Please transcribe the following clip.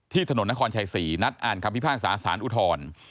ที่ถนนนครชาย๔นัดอ่านคำพิพากษาศาลอุทธรณ์